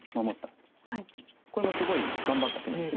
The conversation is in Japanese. これもすごい頑張った手なんです。